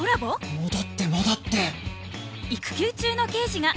戻って戻って。